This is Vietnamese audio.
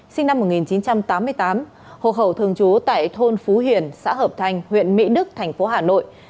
sinh năm một nghìn chín trăm tám mươi tám hộp hậu thường trú tại thôn phú hiền xã hợp thành huyện mỹ đức tp hà nội